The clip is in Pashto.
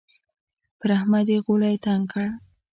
پر احمد يې غولی تنګ کړ.